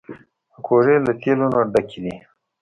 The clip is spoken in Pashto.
پکورې له تیلو نه ډکې دي